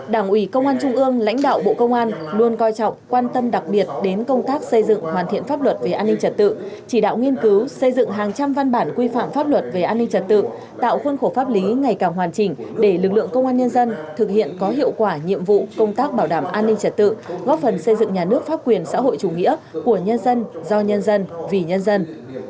đảng ủy công an trung ương lãnh đạo bộ công an luôn coi trọng quan tâm đặc biệt đến công tác xây dựng hoàn thiện pháp luật về an ninh trật tự chỉ đạo nghiên cứu xây dựng hàng trăm văn bản quy phạm pháp luật về an ninh trật tự tạo khuôn khổ pháp lý ngày càng hoàn chỉnh để lực lượng công an nhân dân thực hiện có hiệu quả nhiệm vụ công tác bảo đảm an ninh trật tự góp phần xây dựng nhà nước pháp quyền xã hội chủ nghĩa của nhân dân do nhân dân vì nhân dân